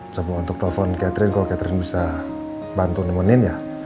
sama untuk telepon catherine kalau catherine bisa bantu nemenin ya